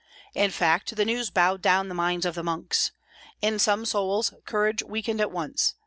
In fact, the news bowed down the minds of the monks. In some souls courage weakened at once.